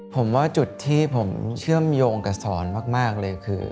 ผมว่าจุดที่ผมเชื่อมโยงกับสอนมากเลยคือ